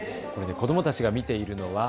子どもたちが見ているのは。